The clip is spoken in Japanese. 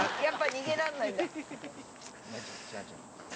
逃げられないんだ。